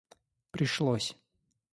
пришлось